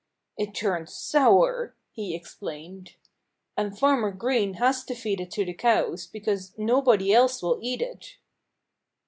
"It turns sour," he explained. "And Farmer Green has to feed it to the cows, because nobody else will eat it."